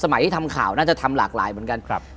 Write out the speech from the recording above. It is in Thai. ที่ทำข่าวน่าจะทำหลากหลายเหมือนกัน